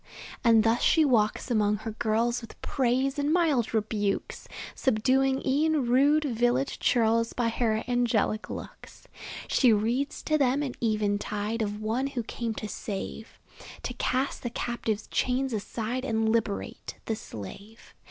And thus she walks among her girls With praise and mild rebukes; Subduing e'en rude village churls By her angelic looks. She reads to them at eventide Of One who came to save; To cast the captive's chains aside, And liberate the slave.